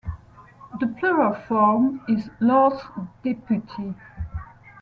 The plural form is "Lords Deputy".